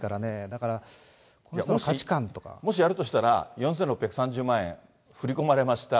だから、その価値観とか。もしやるとしたら、４６３０万円振り込まれました。